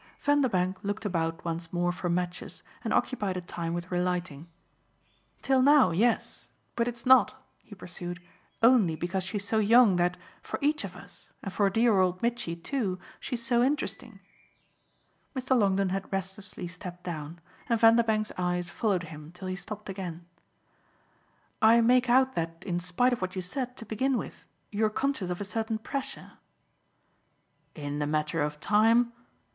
Vanderbank looked about once more for matches and occupied a time with relighting. "Till now yes. But it's not," he pursued, "only because she's so young that for each of us, and for dear old Mitchy too she's so interesting." Mr. Longdon had restlessly stepped down, and Vanderbank's eyes followed him till he stopped again. "I make out that in spite of what you said to begin with you're conscious of a certain pressure." "In the matter of time?